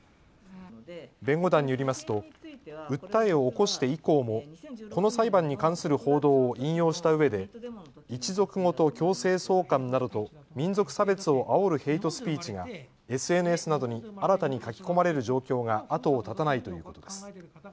弁護団によりますと訴えを起こして以降もこの裁判に関する報道を引用したうえで一族ごと強制送還などと民族差別をあおるヘイトスピーチがＳＮＳなどに新たに書き込まれる状況が後を絶たないということです。